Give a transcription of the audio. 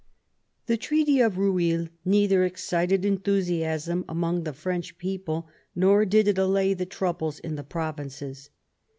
The Treaty of Eueil neither excited enthusiasm among the French people nor did it allay the troubles in the provinces.